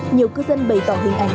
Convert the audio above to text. nhiều cư dân bày tỏ hình ảnh